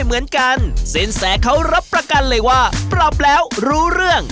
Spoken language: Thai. เหมือนกันสินแสเขารับประกันเลยว่าปรับแล้วรู้เรื่อง